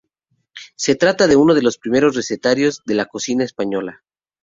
Se trata de uno de los primeros recetarios de la cocina española.